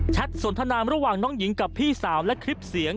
สนทนามระหว่างน้องหญิงกับพี่สาวและคลิปเสียง